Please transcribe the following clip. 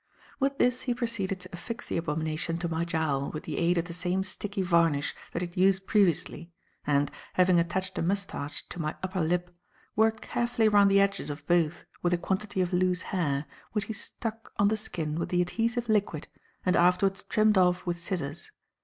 With this he proceeded to affix the abomination to my jowl with the aid of the same sticky varnish that he had used previously, and, having attached a moustache to my upper lip, worked carefully round the edges of both with a quantity of loose hair, which he stuck on the skin with the adhesive liquid and afterwards trimmed off with scissors.